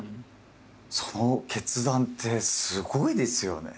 その決断ってすごいですよね。